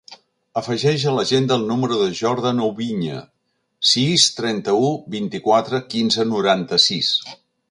Afegeix a l'agenda el número del Jordan Oubiña: sis, trenta-u, vint-i-quatre, quinze, noranta-sis.